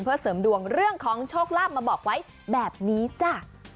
เพื่อเสริมดวงเรื่องของโชคลาภมาบอกไว้แบบนี้จ้ะ